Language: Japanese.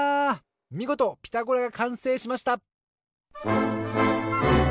みごと「ピタゴラ」がかんせいしました！